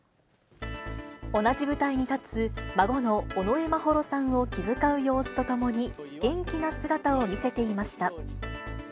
同じ舞台に立つ、孫の尾上眞秀さんを気遣う様子とともに、元気な姿を見せていました。